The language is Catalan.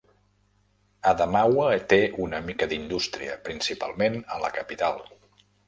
Adamawa té una mica d"indústria, principalment a la capital.